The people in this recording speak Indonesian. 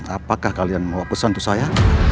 apakah kalian mau pesan untuk saya